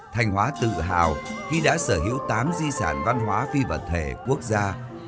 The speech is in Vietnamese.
thanh hóa tự hào khi đã sở hữu tám di sản văn hóa phi vật thể quốc gia